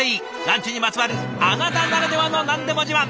ランチにまつわるあなたならではの何でも自慢。